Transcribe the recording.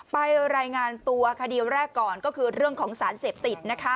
ไปรายงานตัวคดีแรกก่อนก็คือเรื่องของสารเสพติด